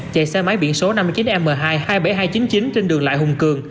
chạy xe máy biển số năm mươi chín m hai hai mươi bảy nghìn hai trăm chín mươi chín trên đường lại hùng cường